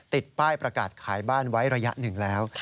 ติดป้ายประกาศขายบ้านไว้ระยะหนึ่งแล้ว